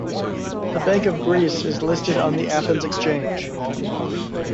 The Bank of Greece is listed on the Athens Exchange.